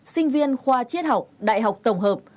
sinh viên khoa triết học đại học tổng hợp